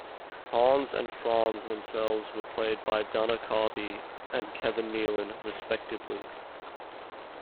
Hans and Franz themselves were played by Dana Carvey and Kevin Nealon, respectively.